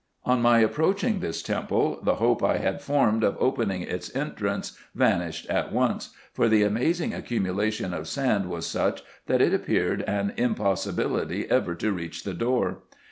On my approaching this temple, the hope I had formed of opening its entrance vanished at once ; for the amazing accumulation of sand was such, that it appeared an impossibility ever to reach the door.